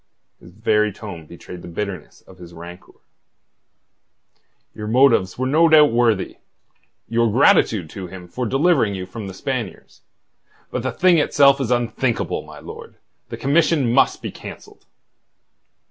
His very tone betrayed the bitterness of his rancour. "Your motives were no doubt worthy... your gratitude to him for delivering you from the Spaniards. But the thing itself is unthinkable, my lord. The commission must be cancelled."